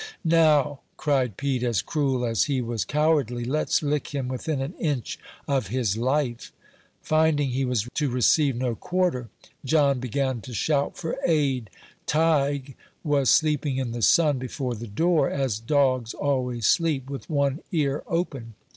"Now," cried Pete, as cruel as he was cowardly, "let's lick him within an inch of his life." Finding he was to receive no quarter, John began to shout for aid. Tige was sleeping in the sun before the door, as dogs always sleep, with one ear open.